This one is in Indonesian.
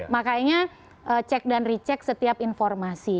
makanya cek dan recheck setiap informasi